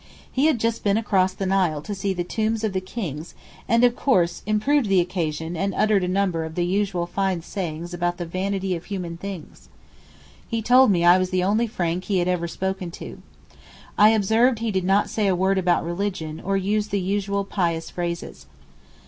He had just been across the Nile to see the tombs of the Kings and of course 'improved the occasion' and uttered a number of the usual fine sayings about the vanity of human things. He told me I was the only Frank he had ever spoken to. I observed he did not say a word about religion, or use the usual pious phrases.